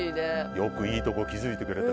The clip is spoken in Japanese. よくいいところに気づいてくれて。